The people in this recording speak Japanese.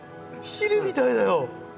ヒルみたいだよ。